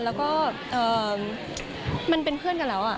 แล้วก็มันเป็นเพื่อนกันแล้ว